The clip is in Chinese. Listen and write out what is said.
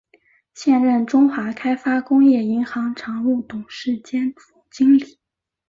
现任中华开发工业银行常务董事兼总经理。